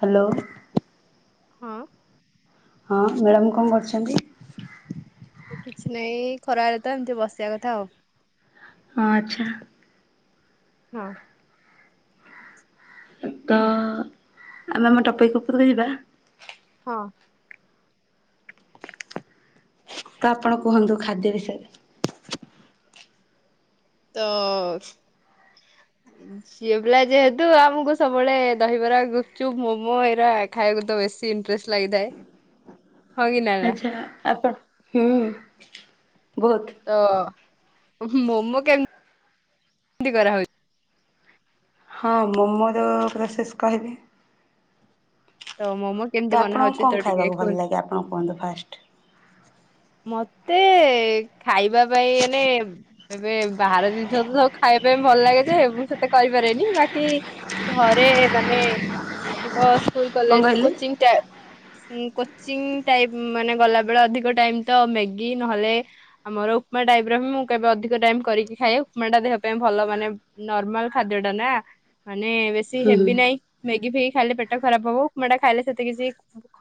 Hello ହଁ ହଁ madam କଣ କରୁଛନ୍ତି? କିଛି ନାଇଁ ଖରାଏଳେ ତ ଏମିତି ବସିବା କଥା ଆଉ। ହଁ ଆଚ୍ଛା ହଁ ତ ଆମେ ଆମ ଟପିକ ଉପୁରୁକୁ ଯିବା? ହଁ ତ ଆପଣ କୁହନ୍ତୁ ଖାଦ୍ୟ ବିଷୟରେ ତ ସିଅ ପିଲା ଯେହେତୁ ଆମକୁ ସବୁବୋଳେ ଦହିବରା ଗୁପଚୁପ ମୋମୋ ଏଇରା ଆକ୍ ଖାଇଆକୁ ତ ବେଶୀ ଇଣ୍ଟରେଷ୍ଟ ଲାଗିଥାଏ - ଆଛା ଆପଣ ହୁଁ ବହୁତ - ତ ମୋମୋ କେମ କେମତି କରାହଉଛି? ହଁ ମୋମୋର ପ୍ରୋସେସ୍ କହିବି- ତ ମୋମୋ- କେମିତି ତ ବନା ଆପଣଙ୍କୁ ହଉଛି କଣ ତ ଟିକେ ଖାଇବାକୁ ଭଲ କୁହନ୍ତୁ? ଲାଗେ ଆପଣ କୁହନ୍ତୁ ଫାଷ୍ଟ। ମତେ ଖାଇବା ପାଇଁ ଏନେ ଏବେ ବାହାର ଜିନିଷ ତ ସବୁ ଖାଇବା ପାଇଁ ଭଲ ଲାଗେ ଯେ ମୁଁ ସେତେ କରିପାରେନି ବାକି ଘରେ ମାନେ ଅଧିକ ସ୍କୁଲ କଣ କଲେଜ କହିଲେ? କୋଚିଂ ଟାଇ କୋଚିଂ ଟାଇମ ମାନେ ଗଲାବେଳେ ଅଧିକ ଟାଇମ ତ ମ୍ୟାଗି ନହେଲେ ଆମର ଉପମା ଟାଇପର ବି ମୁଁ କେବେ ଅଧିକ ଟାଇମ କରିକି ଖାଏ ଉପମା ଟା ଦେହ ପାଇଁ ଭଲ ମାନେ ନର୍ମାଲ ଖାଦ୍ୟ ଟା ନା ମାନେ ବେଶୀ ହୁଁ ହୁଁ ହେବି ନାହିଁ। ମ୍ୟାଗି ଫିଗି ଖାଇଲେ ପେଟ ଖରାପ ହବ ଉପମାଟା ଖାଇଲେ ସେତେ କିଛି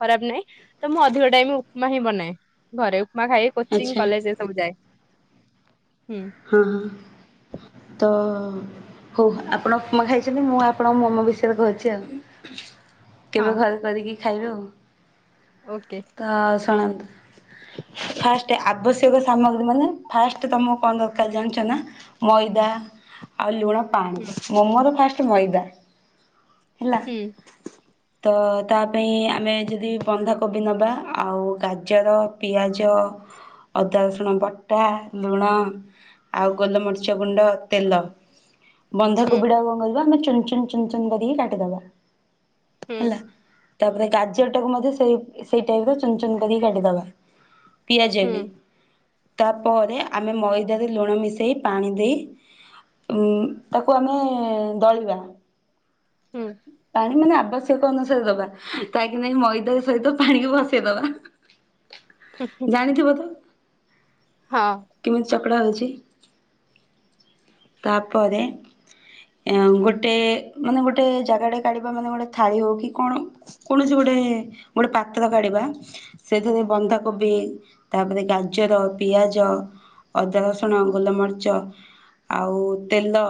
ଖରାପ ନାହିଁ। ତ ମୁଁ ଅଧିକ ଟାଇମ ଉପମା ହିଁ ବନାଏ। ଘରେ ଉପମା ଖାଇ କୋଚିଂ ଆଚ୍ଛା କଲେଜ ଏ ସବୁ ଯାଏ। ହୁଁ। ହଁ ହଁ ତ ହଉ ଆପଣ ଉପମା ଖାଇଛନ୍ତି ମୁଁ ଆପଣଙ୍କୁ ମୋମୋ ବିଷୟରେ କହୁଛି ଆଉ। କେବେ ହଁ ଘରେ କରିକି ଖାଇବୁ ଆଉ। ଓକେ। ତ ଶୁଣନ୍ତୁ ଫାଷ୍ଟ ଆବଶ୍ୟକ ସାମଗ୍ରୀ ମାନେ ଫାଷ୍ଟ ତମକୁ କଣ ଦରକାର କାଲି ଜାଣିଛ ନା ମଇଦା ଆଉ ଲୁଣ ହୁଁ ପାଣି। ମୋମୋର ଫାଷ୍ଟ ମଇଦା ହେଲା ହୁଁ। ତ ତା ପାଇଁ ଆମେ ଯଦି ବନ୍ଧାକୋବି ନବା ଆଉ ଗାଜର, ପିଆଜ, ଅଦା ରସୁଣ ବଟା, ଲୁଣ ଆଉ ଗୋଲମରିଚ ଗୁଣ୍ଡ, ତେଲ ହୁଁ ବନ୍ଧାକୋବି ଟାକୁ କଣ କରିବା ଆମେ ଚୁନ୍ ଚୁନ ଚୁନ ଚୁନ କରିକି କାଟିଦବା ହୁଁ ହେଲା। ତାପରେ ଗାଜରଟାକୁ ମଧ୍ୟ ସେ ସେଇ ଟାଇପର ଚୁନ ଚୁନ କରିକି କାଟିଦବା। ପିଆଜ ହୁଁ ବି ତାପରେ ଆମେ ମଇ ଦାରେ ଲୁଣ ମିଶେଇ ପାଣି ଦେଇ ତାକୁ ଆମେ ଦଳିବା। ହୁଁ। ପାଣି ମାନେ ଆବଶ୍ୟକ ଅନୁସାରେ ଦବା। [unintelligible] ନାଇଁ ମଇଦା ସହିତ ପାଣିିକି ଭସେଇଦେବା। ଜାଣିଥିବ ତ। ହଁ। କେମିତି ଚକଡ଼ା ହେଉଛି। ତାପରେ ଗୋଟେ ମାନେ ଗୋଟେ ଗୋଟେ ଜାଗାଟା କାଢିବା ମାନେ ଗୋଟେ ଥାଳି ହଉ କି କଣ କୌଣସି ଗୋଟେ ଗୋଟେ ପାତ୍ର କାଢିବା। ସେଥିରେ ବନ୍ଧାକୋବି, ତାପରେ ଗାଜର, ପିଆଜ, ଅଦା, ରସୁଣ, ଗୋଲମରିଚ, ଆଉ ତେଲ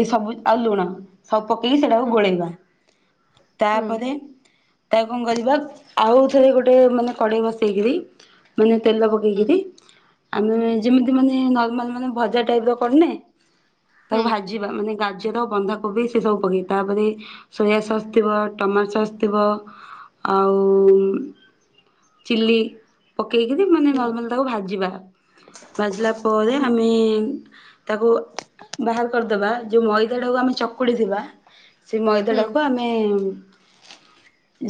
ଏଇ ସବୁ ଆଉ ଲୁଣ ସବୁ ପ କେଇ ସେଟାକୁ ହୁଁ ଗୋଳେଇବା। ହୁଁ ତାପରେ ତାକୁ କଣ କରିବା ଆଉଥରେ ଗୋଟେ ମାନେ କଡେଇ ବସେଇକିରି ମାନେ ତେଲ ହୁଁ ପକେଇକରି ଆମେ ଯେମିତି ମାନେ ନର୍ମାଲ ମାନେ ଭଜା ଟାଇପର କରନେ ତାକୁ ହୁଁ ଭାଜିବା ମାନେ ଗାଜର ବନ୍ଧାକୋବି ସେ ସବୁ ପକେଇ ତାପରେ ସୋୟା ସସ୍ ଥିବ, ଟମାଟୋ ସସ୍ ଥିବ ଆଉ ଚିଲି ପକେଇକିରି ମାନେ ହୁଁ ନର୍ମାଲ ତାକୁ ଭାଜିବା। ବାଜିଲା ପରେ ଆମେ ତାକୁ ବାହାର କରିଦବା ଯୋଉ ମଇଦାଟାକୁ ଆମେ ଚକୁଡ଼ି ଥିବା ସେ ହୁଁ ମଇଦାଟାକୁ ଆମେ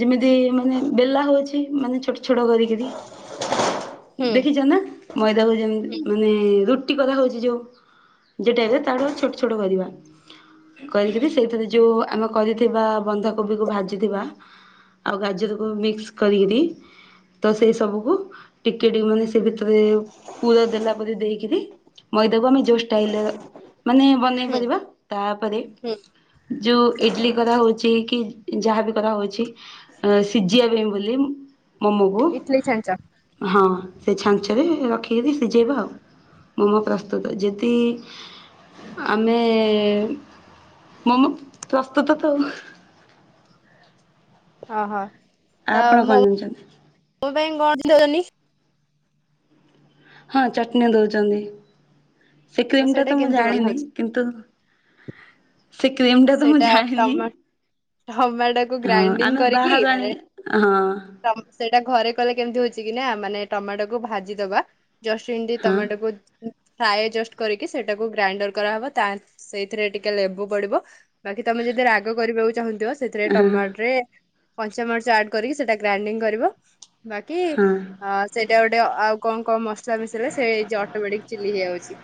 ଯେମିତି ମାନେ ବେଲା ହୋଉଚି ମାନେ ଛୋଟ ଛୋଟ କରିକରି ହୁଁ ଦେଖିଚ ନା ମଇଦାକୁ ଯେମତି ମାନେ ରୁ ଠିକ୍ କଥା କୋହୁଚି ଯୋଉ ଯେ ଟାଇପରେ ତାଠୁ ଛୋଟ ଛୋଟ କରିବ? କରିକିରି ସେଇଥିରେ ଯେଉଁ ଆମେ କରିଥିବା ବନ୍ଧାକୋବିକୁ ଭାଜିଥିବା ଆଉ ଗାଜରକୁ ମିକ୍ସି କରିକିରି ତ ସେଇ ସବୁକୁ ଟିକେ ଟିକେ ମାନେ ସେ ଭିତରେ ପୁର ଦେଲା ବୋଲି ଦେଇକିରି ମଇଦାକୁ ଆମେ ଯୋଉ ଷ୍ଟାଇଲ୍ ରେ ମାନେ ବନେଇ ହୁଁ ପାରିବା ତାପରେ? ହୁଁ ଯୋଉ ଇଡିଲି କରାହୋଉଚି କି ଯାହାବି କରାହୋଉଚି ଆ ସିଝିବା ପାଇଁ ବୋଲି। ମୋମୋକୁ ଇଟଲି ଛାଞ୍ଚ ହଁ ସେ ଛାଞ୍ଚରେ ରଖିକିରି ସିଝେଇବା ଆଉ। ମୋମୋ ପ୍ରସ୍ତୁତ ଯେଦି ଆମେ ମୋମୋ ପ୍ରସ୍ତୁତ ତ ଆଉ। ଅହ। ଆ ପଣ କଣ ଜାଉଚନ୍ତି। ମୋ ପାଇଁ କଣ [unintelligible] ହଁ ଚଟ୍ନି ଦଉଚନ୍ତି ସେ କ୍ରିମ ଟା ତ ସେଇଟା ମୁଁ କେମିତି ଜାଣିନି। ବନାହଉଛି କିନ୍ତୁ ସେ କ୍ରିମ୍ ଟା ତ ମୁଁ ସେଇଟା ଜାଣିନି। ଟମା ଟମାଟୋକୁ ହଁ ଗ୍ରାଇଣ୍ଡିଙ୍ଗ ଆମେ କରିକି ବାହାରୁ ମାନେ ଆଣିକି ହଁ। ଟମ୍ ସେଇଟା ଘରେ କଲେ କେମ୍ତି ହଉଚି କିନା ମାନେ ଟମାଟୋକୁୁ ଭାଜିଦବା। ଜଷ୍ଟ୍ ଣ୍ଡି ହଁ ଟମାଟୋକୁ ଫ୍ରାଏ ଜଷ୍ଟ୍ କରିକି ସେଟାକୁ ଗ୍ରାଇଣ୍ଡର୍ କରାହବ ତା ସେଇଥିରେ ଟିକେ ଲେବୁ ପଡିବ। ବାକି ତମେ ଯଦି ରାଗ କରିବାକୁ ଚାହୁଁଥିବ ସେଥିରେ ହଁ ଟମାଟ୍ରେ। କଞ୍ଚାମର୍ଚ ଆଡ୍ କରିକି ସେଟା ଗ୍ରାଇଣ୍ଡିଙ୍ଗ କରିବ ବାକି ହଁ ହଁ ସେଇଟା ଗୋଟେ ଆଉ କଂ କଂ ମସ୍ଲା ମିଶେଇଲେ ସେଇ ଅଟୋମେଟିକ୍ ଚିଲି ହେଇଯାଉଚି।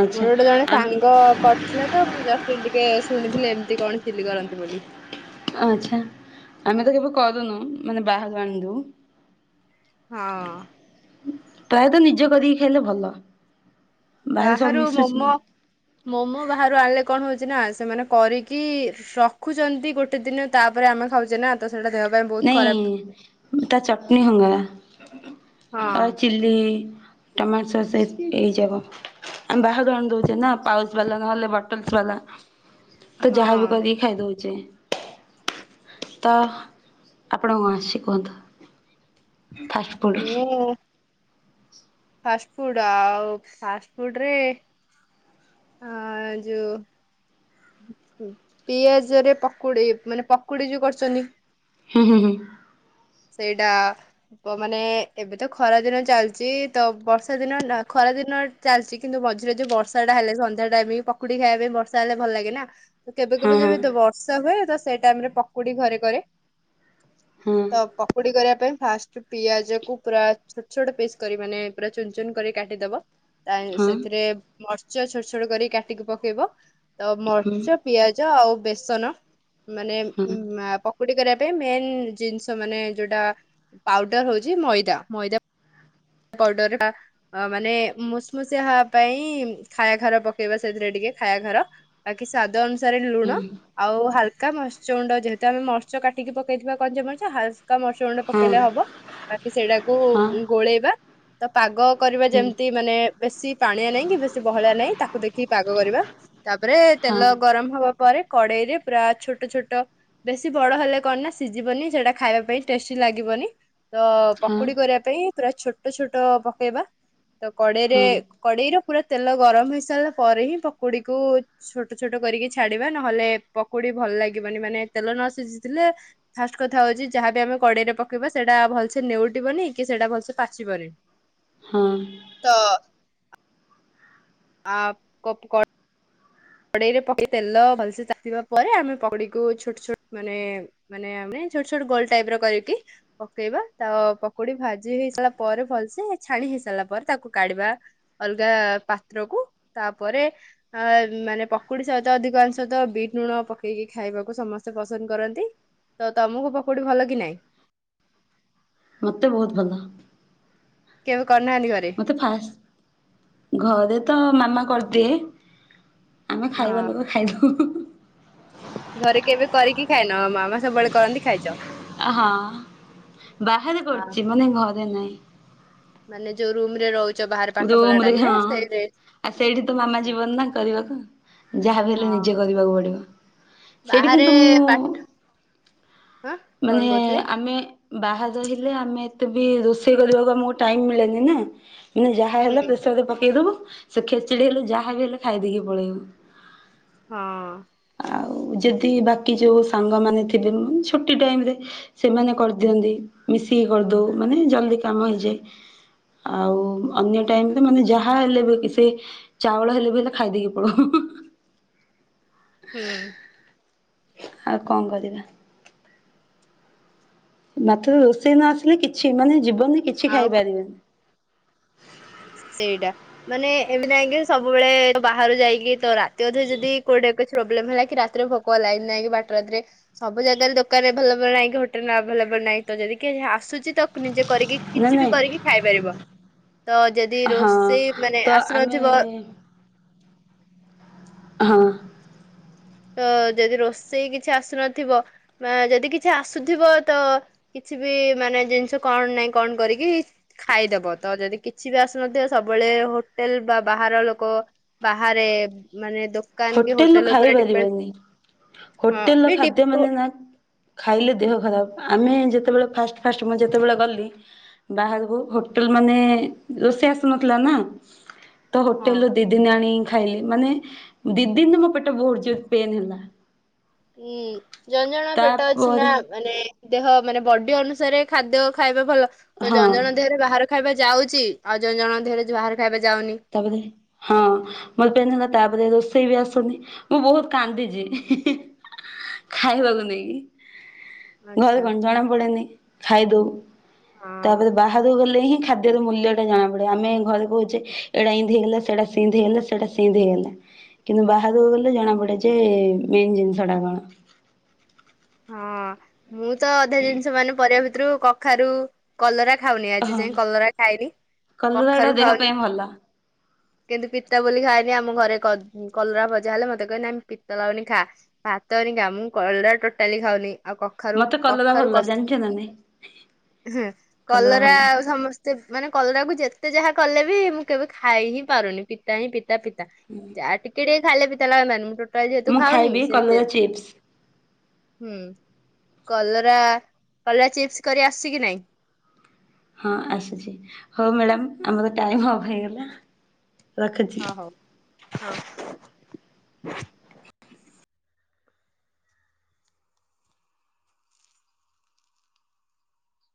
ଆଚ୍ଛା ମୋର ଗୋଟେ ଜଣେ ଆମ ସାଙ୍ଗ କ ର୍ଥିଲା ତ ମୁଁ ଯଷ୍ଟ୍ ଣ୍ଡି ଟିକେ ଶୁଣିଥିଲି ଏମ୍ତି କଣ ଚିଲି କରନ୍ତି ବୋଲି। ଆଚ୍ଛା ଆମେ ତ କେବେ କରୁନୁ ମାନେ ବାହାରୁ ଆଣିଦଉ। ହଁ। ପ୍ରାୟେତଃ ନିଜେ କରିକି ଖାଇଲେ ଭଲ। ବାହାରେ ସବୁ ବାହାରୁ ମିଶୁଛି ମୋମୋ ନା ମୋମୋ ବାହାରୁ ଆଣିଲେ କଣ୍ ହଉଚି ନା ସେମାନେ କରିକି ରଖୁଚନ୍ତି ଗୋଟେ ଦିନ ତାପ୍ରେ ଆମେ ଖାଉଚେ ନା। ତ ସେଟା ଦେହ ପାଇଁ ବ ନାଇଁ ତା ଚଟ୍ନି ହଙ୍ଗା ଅ ଚିଲ୍ ଲି ଟମାଟୋ ସସ୍ ଏ ଏଇଯାବ। ଆମ୍ ବାହାରୁ ଆଣ୍ ଦଉଚେ ନା ପାଉସ୍ ବାଲା ନହେଲେ ବଟଲ୍ସ୍ ବାଲା। ତ ଯାହାବି ହଁ କରିକି ଖାଇ ଦଉଚେ ତ ଆପଣଙ୍କୁ କଣ ଆସୁଚି କୁହନ୍ତୁ। ଫାଷ୍ଟ ଫୁଡ୍ ମୁଁ। ଫାଷ୍ଟ୍ ଫୁଡ୍ ଆଉ ଫାଷ୍ଟ୍ ଫୁଡ୍ ରେ ହଁ ଯଉ ପିଆଜରେ ପକୁଡି ମାନେ ପକୁଡି ଯୋଉ କର୍ଚନ୍ତି। ହୁଁ ହୁଁ ହୁଁ। ସେଇଟା ମାନେ ଏବେ ତ ଖରା ଦିନ ଚାଲିଛି ତ ବର୍ଷା ଦିନ ନା ଖରା ଦିନ ଚାଲିଛି କିନ୍ତୁ ମଝିରେ ଯୋଉ ବର୍ଷା ଟା ହେଲେ ସନ୍ଧ୍ୟା ଟାଇମ୍ ପକୁଡି ଖାଇବା ପାଇଁ ବର୍ଷା ହେଲେ ଭଲ ଲାଗେ ନା। କେବେ କେବେ ହୁଁ ଯେବେ ବର୍ଷା ହୁଏ ତ ସେ ଟାଇମ୍ ରେ ପକୁଡି ଘରେ କରେ। ହଁ ତ ପକୁଡି କରିବା ପାଇଁ ଫାଷ୍ଟ ପିଆଜ କୁ ପୁରା ଛୋଟ୍ ଛୋଟ୍ ପିସ୍ କରି ମାନେ ପୁରା ଚୁନ୍ ଚୁନ୍ କରି କାଟିଦବ। ତା ହଁ ହଁ ସେଥିରେ ମର୍ଚ ଛୋଟ୍ ଛୋଟ୍ କରି କାଟିକି ପକେଇବ ତ ହଁ ମର୍ଚ ପିଆଜ ଆଉ ବେସନ ମାନେ ହୁଁ ପକୁଡ଼ି କରିବା ପାଇଁ ମେନ୍ ଜିନିଷ ମାନେ ଯୋଉଟା ପାଉଡର୍ ହୋଉଛି ମଇଦା, ମଇଦା ବର୍ଡର ହା ଅ ମାନେ ମୁଷ୍ ମୁସିିଆ ହବା ପାଇଁ ଖାୟାଘାର ପକେଇବା ସେଥିରେ ଟିକେ ଖାୟାଘାର। ବାକି ସ୍ଵାଦ ଅନୁସାରେ ଲୁଣ। ହୁଁ ଆଉ ହାଲକା ମର୍ସ୍ୟ ଗୁଣ୍ଡ ଯେହେତୁ ଆମେ ମର୍ଚ୍ୟ କାଟିକି ପକେଇଥିବା କଞ୍ଜାମଣିଚ ହାଲକା ମର୍ଚ୍ୟ ଗୁଣ୍ଡ ହୁଁ ହଁ ପକେଇଲେ ହବ। ବାକି ସେଇଟାକୁ ହଁ ଗୋଳେଇବା। ତ ପାଗ କରିବା ହୁଁ ଯେମିତି ମାନେ ବେଶୀ ପାଣିଆ ନାହିଁ କି ବେଶୀ ବହଳିଆ ନାହିଁ ତାକୁ ଦେଖିକି ପାଗ କରିବା। ତାପରେ ହଁ ତେଲ ଗରମ୍ ହବା ପରେ କଡେଇ ରେ ପୁରା ଛୋଟ ଛୋଟ। ବେଶୀ ବଡ ହେଲେ କଣ ନା ସିଝିବନି ସେଟା ଖାଇବା ପାଇଁ ଟେଷ୍ଟି ଲାଗିବନି। ତ ହଁ ପକୁଡି କରିବା ପାଇଁ ପୁରା ଛୋଟ ଛୋଟ ପକେଇବା, ତ କଡେଇରେ ହଁ କଡେଇ ର ପୁରା ତେଲ ଗରମ୍ ହେଇ ସାରିଲା ପରେ ହିଁ ପକୁଡିକୁ ଛୋଟ ଛୋଟ କରିକି ଛାଡିବା ନହେଲେ ପକୁଡି ଭଲ ଲାଗିବନି ମାନେ ତେଲ ନ ସିଝିଥିଲେ ଫାଷ୍ଟ୍ କଥା ହଉଛି ଯାହାବି ଆମେ କଡେଇ ରେ ପକେବା ସେଟା ଭଲ୍ ସେ ନେଉଟିବନି କି ସେଇଟା ଭଲ୍ ପା ସିପାରେ। ହଁ। ତ [unintelligible] କଡେଇ ରେ ପକେଇ ତେଲ ଭଲ୍ ସେ ତାତିବା ପରେ ଆମେ ପକୁଡିକୁ ଛୋଟ୍ ଛୋଟ ମାନେ ମାନେ ଆମେ ଛୋଟ ଛୋଟ ଗୋଲ ଟାଇପ୍ ର କରିକି ପକେଇବା ତ ପକୋଡି ଭାଜି ହେଇ ସାରିଲା ପରେ ଭଲ୍ ସେ ଛାଣି ହେଇ ସାରିଲା ପରେ ତାକୁ କାଢିବା। ଅଲଗା ପାତ୍ରକୁ ତାପରେ ଅ ମାନେ ପକୁଡି ସହିତ ଅଧିକାଂଶ ତ ବିଟ୍ ଲୁଣ ପକେଇକି ଖାଇବାକୁ ସମସ୍ତେ ପସନ୍ଦ କରନ୍ତି। ତ ତମକୁ ପକୁଡି ଭଲ କି ନାଇଁ? ମତେ ବହୁତ୍ ଭଲ। କେବେ କରିନାହାନ୍ତି ଘରେ? ତ ଫାଷ୍ଟ୍, ଘରେ ତ ମାମା କରିଦିଏ। ଆମେ ଖାଇବା ହଁ ଲୋକେ ଖାଇଦଉ। ଘରେ କେବେ କରିକି ଖାଇନ ମାମା ସବୁବେଳେ କରନ୍ତି ଖାଇଚ। ହଁ ବାହାରେ ଆ କରୁଛି ମାନେ ଘରେ ନାହିଁ। ମାନେ ଯୋଉ ରୁମ୍ ରେ ରହୁ ରୁମ୍ ରେ ହଁ, ଆଉ ସେଇଠି ତୁ ମାମା ଯିବନି ନା କରିବାକୁ। ଯାହାବି ହେଲେ ନିଜେ ହଁ କରିବାକୁ ପଡିବ, ସେଇଠି ବାହାରେ କିନ୍ତୁ ମୁଁ ପାଠ ହଁ ମାନେ କଣ କହୁଥିଲେ ଆମେ ବାହାରେ ରହିଲେ ଆମେ ଏତେ ବି ରୋଷେଇ କରିବାକୁ ଆମକୁ ଟାଇମ୍ ମିଳେନି ନା। ମାନେ ଯାହା ହେଲା ହୁଁ ପ୍ରେସର୍ ରେ ପକେଇଦବୁ ସେ ଖୀଚିଡି ହେଲେ ଯାହା ବି ହେଲେ ଖାଇଦେଇକି ପଳେଇବୁ। ହଁ -ଅଁ। ଆଉ ଯଦି ବାକି ଯେଉଁ ସାଙ୍ଗମାନେ ଥିବେ ଛୁଟି ଟାଇମ୍ ରେ। ସେମାନେ କରିଦିଅନ୍ତି, ମିଶିକି କରିଦୋଉ, ମାନେ ଜଲଦି କାମ ହେଇଯାଏ। ଆଉ ଅନ୍ୟ ଟାଇମ୍ ରେ ମାନେ ଯାହା ହେଲେ ବି କିସେ ଚାଉଳ ହେଲେ ବି ହେଲେ ଖାଇଦେଇକି ପଳୋଉ। ହୁଁ। ଆଉ କଣ କରିବା? ମାଥୁ ରୋଷେଇ ନ ଆସିଲେ କିଛି ମାନେ ଯିବନ୍ କିଛି ଆଉ କ- ଖାଇପାରିବେନି। ସେଇଟା। ମାନେ ଏମିତି ନାଇଁକି ସବୁବେଳେ ବାହାରୁ ଯାଇକି ତ ରାତି ଅଧରେ ଯଦି କୋଉଠି କିଛି ପ୍ରୋବ୍ଲେମ୍ ହେଲା କି ରାତିରେ ଭୋକ୍ କ ଲାଇନ୍ ନାଇଁ ବାଟ୍ରା ରାତିରେ? ସବୁ ଜାଗାରେ ଦୋକାନ ଏଭେଲେବଲ୍ ନାହିଁ କି ହୋଟେଲ୍ ଆଭଲେବଲ୍ ନାହିଁ ତ ଯଦି କି ଆସୁଚି ତ ନିଜେ କରିକି ନା କିଛି ବି ନାଇଁ। କରିକି ଖାଇପାରିବ। ତ ଯଦି ହଁ ରୋଷେଇ ମାନେ ତ ଆମେ ଆସୁନଥିବ ହଁ। ତ ଯଦି ରୋଷେଇ କିଛି ଆସୁନଥିବ ବା ଯଦି କିଛି ଆସୁଥିବ ତ କିଛି ବି ମାନେ ଜିନିଷ କଣ ନାହିଁ କଣ କରିକି ଖାଇଦବ। ତ ଯଦି କିଛି ବି ଆସୁନଥିବ ସବୁବେଳେ ହୋଟେଲ୍ ବା ବାହାର ଲୋକ ବାହାରେ ମାନେ ଦୋକାନ କି ହୋଟେଲ୍ ଉପରେ ଡିପ କିଅନି। ହୋଟେଲ ର ଖାଦ୍ୟ ହଁ ମାନେ ନା ଖାଇଲେ ଦେହ ଖରାପ। ଆମେ ଯେତୋବେଳେ ଫାଷ୍ଟ ଫାଷ୍ଟ ମୁଁ ଯେତୋବେଳେ ଗଲି ବାହାରୁ କୁ ହୋଟେଲ୍ ମାନେ ରୋଷେଇ ଆସୁନଥିଲା ନା। ତ ହୋଟେଲୁ ଦି ଦିନ ଆଣିକି ଖାଇଲି। ମାନେ ଦି ଦିନ୍ ମୋ ପେଟ ବହୁତ୍ ଜୋର୍ ପେନ୍ ହେଲା। ହୁଁ ଜଣ ଜଣଙ୍କ ପେଟ ଅଛି ନା ତାପରେ ମାନେ ଦେହ ମାନେ ବଡି ଅନୁସାରେ ଖାଦ୍ୟ ଖାଇବା ଭଲ। ତ ହଁ ଜଣ ଜଣ ଙ୍କ ଦେହରେ ବାହାର ଖାଇବା ଯାଉଚି। ଆଉ ଜଣ ଜଣ ଦେହରେ ଯୁ ବାହାର ଖାଇବା ଯାଉନି। ତାପରେ ହଁ। ମୋର ପେନ୍ ହେଲା ତାପରେ ରୋଷେଇ ବି ଆସୁନି ମୁଁ ବହୁତ କାନ୍ଦିଚି ଖାଇବାକୁ ନେଇକି। ଘରେ ଆଚ୍ଛା କଣ ଜଣା ପଡେନି ଖାଇଦୋଉ। ହଁ ତାପରେ ବାହାରକୁ ଗଲେ ହିଁ ଖାଦ୍ୟର ମୂଲ୍ୟ ଟା ଜଣା ପଡେ। ଆମେ ଘରେ କହୁଚେ ଏଟା ଇଁତି ହେଇଗଲା ସେଟା ସିମତି ହେଇଗଲା ସେଟା ସିମ ତି ହେଇଗଲା। କିନ୍ତୁ ବାହାଘକୁ ଗଲେ ଜଣା ପଡେ ଯେ ମେନ୍ ଜିନିଷ ଟା କଣ। ହଁ ମୁଁ ତ ଅଧା ଜିନିଷ ମାନେ ପରିବା ଭିତରୁ କଖାରୁ କଲରା ଖାଉନି ଆଜି ହଁ ଯାଏଁ। କଲରା ଖାଇନି କଲରା ଟା କଖାରୁ ଦେହ ପାଇଁ ଖାଉନି। ଭଲ। କିନ୍ତୁ ପିତା ବୋଲି ଖାଏନି ଆମ ଘରେ କଲରା ଭଜା ହେଲେ ମତେ କହିବେ ନାଁ ପିତା ଲାଗୁନି ଖା। ଭାତନିକା ମୁଁ କଲରା ଟୋଟାଲି ଖାଉନି। ଆଉ କଖାରୁ ମତେ କଲରା କଖାରୁ ଭଲ କସ ଜାଣିଛ ନା ନାଇଁ ହେଁ କଲରା ଆଉ ସମସ୍ ସ୍ତେ। ମାନେ କଲରାକୁ ଯେତେ ଯାହା କଲେ ବି ମୁଁ କେବେ ଖାଇ ହିଁ ପାରୁନି ପିତା ହିଁ ପି ତା ପିତା ଆଉ ଟିକେ ଟିକେ ଖାଇଲେ ପିତା ଲାଗନ୍ତାନି ମୁଁ ଟୋଟାଲି ଯେହେତୁ ମୁଁ ଖାଉନି। ଖାଇବି ସେ ଯେ କଲରା ଚିପ୍ସ। ହୁଁ କଲରା କଲରା ଚିପ୍ସ କରି ଆସଚି କିି ନାଇଁ? ହଁ ଆସୁଚି ହୋଉ ମ୍ୟାଡ଼ାମ ଆମର ଟାଇମ ଅଫ ହେଇଗଲା। ରଖୁଛି। ହଁ ହୋଉ ହଁ।